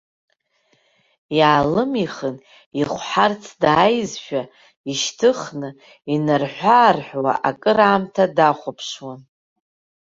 Иаалымихын ихәҳарц дааизшәа, ишьҭыхны инарҳәыаарҳәуа акыраамҭа дахәаԥшуан.